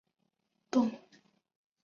动画公司所属动画师兼董事。